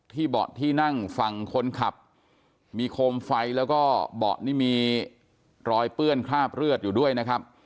เบาะที่นั่งฝั่งคนขับมีโคมไฟแล้วก็เบาะนี่มีรอยเปื้อนคราบเลือดอยู่ด้วยนะครับ